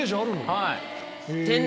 はい。